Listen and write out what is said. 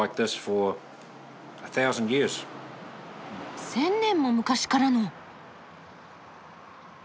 １０００年も昔からの！